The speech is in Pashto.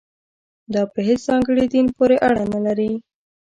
دا په هېڅ ځانګړي دین پورې اړه نه لري.